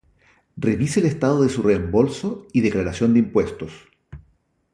Revise el estado de su reembolso y declaración de impuestos